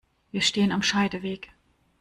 Wir stehen am Scheideweg.